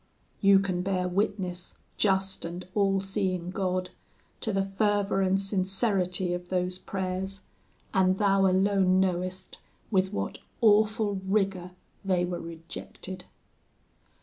'You can bear witness, just and all seeing God! to the fervour and sincerity of those prayers, and Thou alone knowest with what awful rigour they were rejected.'